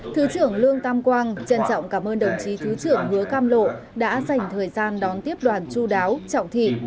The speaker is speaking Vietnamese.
thứ trưởng lương tam quang trân trọng cảm ơn đồng chí thứ trưởng hứa cam lộ đã dành thời gian đón tiếp đoàn chú đáo trọng thị